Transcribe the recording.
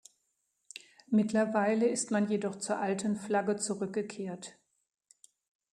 Mittlerweile ist man jedoch zur alten Flagge zurückgekehrt.